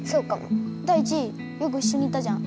ダイチよくいっしょにいたじゃん。